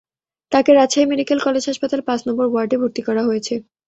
তাঁকে Rajshahi medical college হাসপাতালের পাঁচ নম্বর ওয়ার্ডে ভর্তি করা হয়েছে।